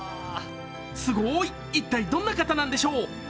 すごーい、一体どんな方なんでしょう。